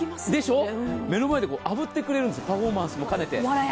目の前であぶってくれるんです、パフォーマンスも兼ねて。